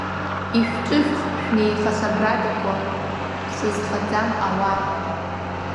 Ишәҿышәх шәеиха-сабрадақәа ԥсы зхаӡам ауаа!